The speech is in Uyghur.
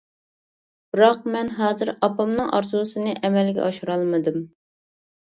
بىراق مەن ھازىر ئاپامنىڭ ئارزۇسىنى ئەمەلگە ئاشۇرالمىدىم.